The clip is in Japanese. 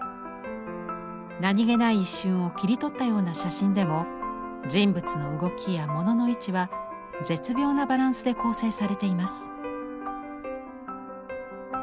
何気ない一瞬を切り取ったような写真でも人物の動きや物の位置は絶妙なバランスで構成されています。